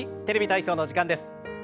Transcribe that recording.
「テレビ体操」の時間です。